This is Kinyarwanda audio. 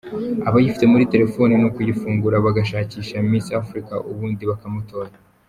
Abayifite muri terefone ni ukuyifungura bagashakisha Miss Africa ubundi bakamutora.